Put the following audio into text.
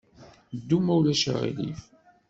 Ddu, ma ulac aɣilif.